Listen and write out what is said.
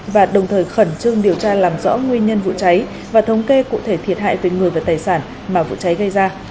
và đồng thời khẩn trương điều tra làm rõ nguyên nhân vụ cháy và thống kê cụ thể thiệt hại về người và tài sản mà vụ cháy gây ra